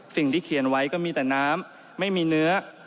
เขียนไว้ก็มีแต่น้ำไม่มีเนื้อ